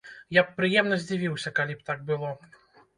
Я б прыемна здзівіўся, калі б так было.